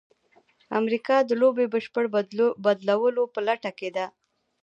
امریکا د لوبې د بشپړ بدلولو په لټه کې ده.